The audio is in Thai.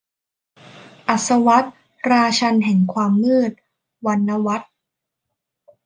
อัสวัด ราชันย์แห่งความมืด - วรรณวรรธน์